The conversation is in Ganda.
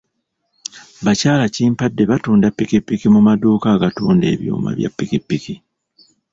Bakyalakimpadde batunda pikipiki mu madduuka agatunda ebyuma bya pikipiki.